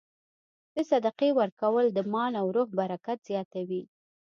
د صدقې ورکول د مال او روح برکت زیاتوي.